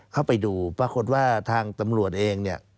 เข้าไปดูปรากฏว่าทางตำรวจเองเนี่ย